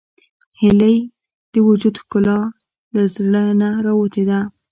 هیلۍ د وجود ښکلا له زړه نه راوتې ده